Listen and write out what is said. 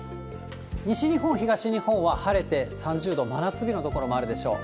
西日本、東日本は晴れて３０度、真夏日の所もあるでしょう。